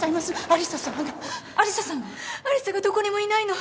有沙がどこにもいないの！